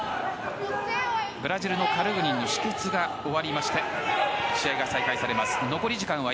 ブラジルのカルグニンの止血が終わりまして試合が再開されます。